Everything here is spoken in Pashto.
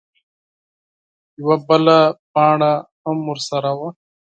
_يوه بله پاڼه ام ورسره وه.